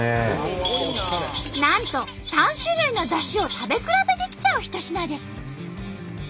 なんと３種類のだしを食べ比べできちゃう一品です。